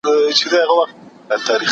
اسلامي شريعت د هر چا حقونه خوندي کړي دي.